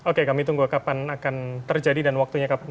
oke kami tunggu kapan akan terjadi dan waktunya kapan